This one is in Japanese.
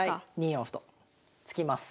２四歩と突きます。